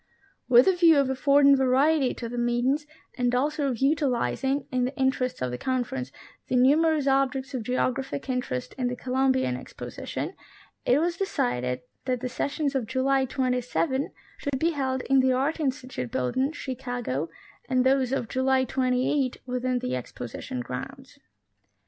With a view of affording variety to the meetings, and also of utilizing, in the interests of the Conference, the numerous objects of geographic interest in the Columbian Exposition, it was de cided that the sessions of July 27 should be held in the Art Institute Building, Chicago, and those of July 28 within the Exposition grounds.